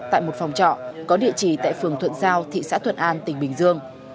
tại một phòng trọ có địa chỉ tại phường thuận giao thị xã thuận an tỉnh bình dương